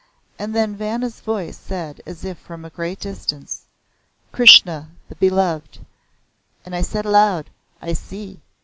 And then Vanna's voice said as if from a great distance; "Krishna the Beloved." And I said aloud, "I see!"